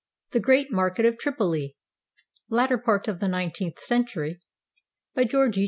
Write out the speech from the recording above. THE GREAT MARKET OF TRIPOLI [Latter part of nineteenth century] BY GEORGE E.